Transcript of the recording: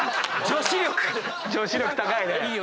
女子力高いね。